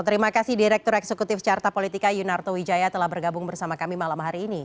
terima kasih direktur eksekutif carta politika yunarto wijaya telah bergabung bersama kami malam hari ini